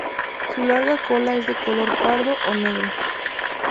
Su larga cola es de color pardo o negro.